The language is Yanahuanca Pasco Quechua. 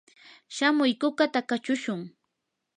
shamuy kukata kachushun.